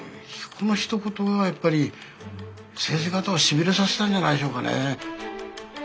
このひと言はやっぱり先生方をしびれさせたんじゃないでしょうかね。